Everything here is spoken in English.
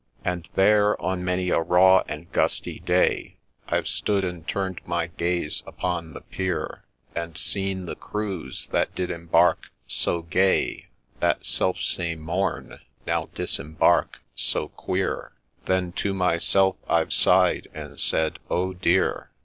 And there, on many a raw and gusty day, I've stood, and turn'd my gaze upon the pier, And seen the crews, that did embark so gay That self same morn, now disembark so queer ; Then to myself I've sigh'd and said, ' Oh dear